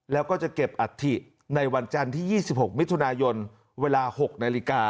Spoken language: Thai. แล้วก็จะเก็บอาทิตย์ในวันจันทร์ที่๒๖มิถุนายนเวลา๑๘น